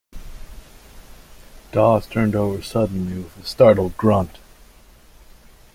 Dawes turned over suddenly with a startled grunt.